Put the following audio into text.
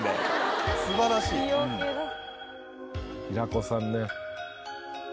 平子さんね。